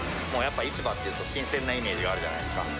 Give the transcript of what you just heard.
もうやっぱ市場っていうと、新鮮なイメージがあるじゃないですか。